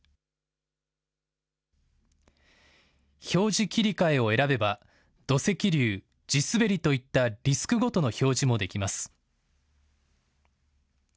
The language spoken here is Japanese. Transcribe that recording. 「表示切り替え」を選べば土石流、地すべりといったリスクごとの表示もできます。